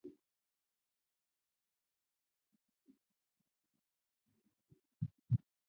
并遭到第一银行为首的公营银行团宣告违约。